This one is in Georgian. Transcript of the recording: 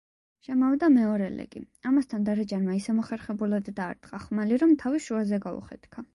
შემოვიდა მეორე ლეკი, ამასაც დარეჯანმა ისე მოხერხებულად დაარტყა ხმალი, რომ თავი შუაზე გაუხეთქა.